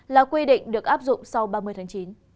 là quy định được áp dụng sau ba mươi tháng chín